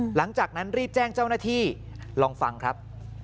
หลังจากนั้นรีบแจ้งเจ้าหน้าที่ลองฟังครับ